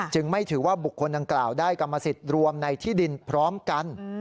ไม่ถือว่าบุคคลดังกล่าวได้กรรมสิทธิ์รวมในที่ดินพร้อมกัน